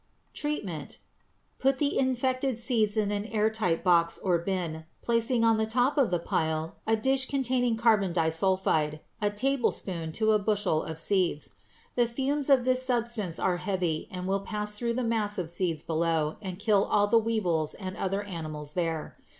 Treatment. Put the infected seeds in an air tight box or bin, placing on the top of the pile a dish containing carbon disulphide, a tablespoonful to a bushel of seeds. The fumes of this substance are heavy and will pass through the mass of seeds below and kill all the weevils and other animals there.